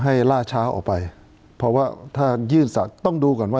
ล่าช้าออกไปเพราะว่าถ้ายื่นสัตว์ต้องดูก่อนว่า